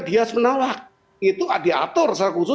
dia menolak itu diatur